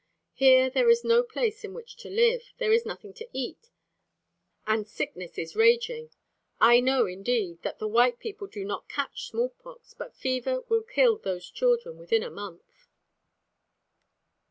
Here there is no place in which to live, there is nothing to eat, and sickness is raging. I know, indeed, that the white people do not catch small pox, but fever will kill those children within a month."